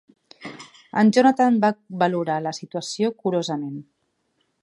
En Johnathan va valorar la situació curosament.